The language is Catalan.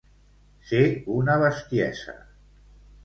Ser una bestiesa.